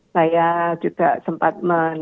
saya juga sempat melihat